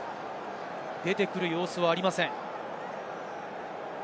出てくる様子はありません。